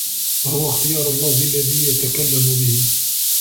وَهُوَ اخْتِيَارُ اللَّفْظِ الَّذِي يَتَكَلَّمُ بِهِ